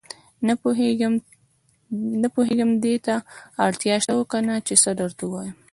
نه پوهېږم دې ته اړتیا شته او کنه چې څه درته ووايم.